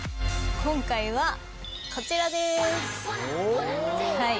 今回はこちらです。